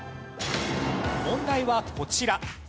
問題はこちら。